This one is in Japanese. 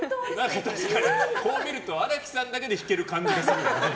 こう見ると荒木さんだけで引ける感じがするよね。